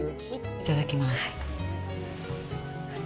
いただきます。